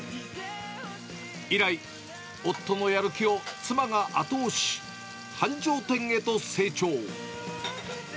以来、夫のやる気を妻が後押し、繁盛店へと成長。